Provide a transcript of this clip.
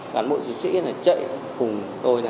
cán bộ chiến sĩ chạy cùng tôi